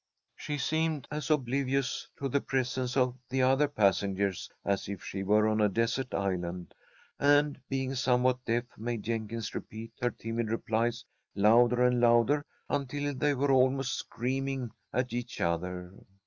She seemed as oblivious to the presence of the other passengers as if she were on a desert island, and, being somewhat deaf, made Jenkins repeat her timid replies louder and louder until they were almost screaming at each other.